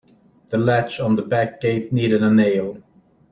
The latch on the back gate needed a nail.